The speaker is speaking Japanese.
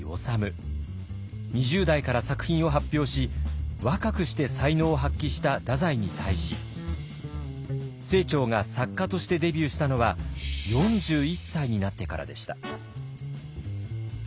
２０代から作品を発表し若くして才能を発揮した太宰に対し清張が作家としてデビューしたのは４１歳になってからでした。